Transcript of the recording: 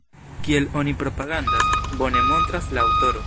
Kiel oni propagandas, bone montras la aŭtoro.